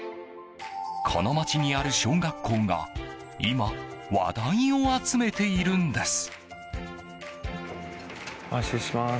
この町にある小学校が今話題を集めているんです。